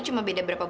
cuma beda berapa lama